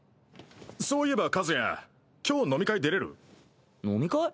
そういえば和也今日飲み会出れる？飲み会？